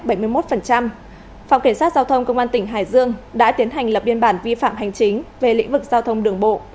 phòng cảnh sát giao thông công an tỉnh hải dương đã tiến hành lập biên bản vi phạm hành chính về lĩnh vực giao thông đường bộ